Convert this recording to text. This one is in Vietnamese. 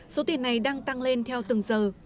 số tiền này đang tăng lên theo từng giờ